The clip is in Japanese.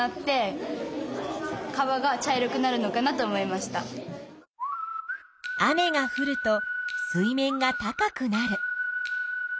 まず雨がふると水面が高くなる。